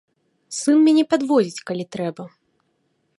Сын мяне падвозіць, калі трэба.